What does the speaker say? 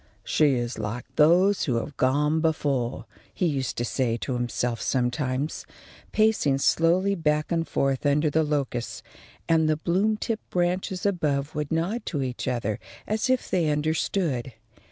"She is like those who have gone before," he used to say to himself sometimes, pacing slowly back and forth under the locusts; and the bloom tipped branches above would nod to each other as if they understood.